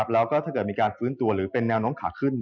แล้วก็ถ้าเกิดมีการฟื้นตัวหรือเป็นแนวโน้มขาขึ้น